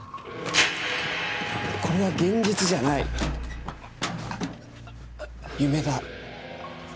これは現実じゃない夢だ。